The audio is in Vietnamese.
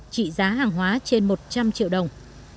trị giá hàng hóa trên một trăm linh triệu đồng